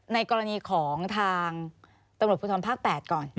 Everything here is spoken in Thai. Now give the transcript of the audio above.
ในกรณีของทางตำรวจภูทรภาค๘ก่อน